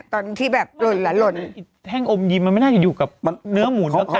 ตอนที่แบบหล่นแล้วหล่นแท่งอมยิ้มมันไม่น่าจะอยู่กับเนื้อหมูเนื้อไก่